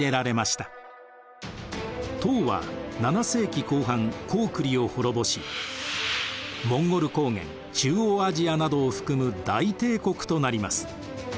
唐は７世紀後半高句麗を滅ぼしモンゴル高原中央アジアなどを含む大帝国となります。